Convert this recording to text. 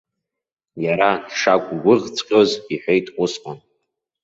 Иара дшақәгәыӷҵәҟьоз иҳәеит усҟан.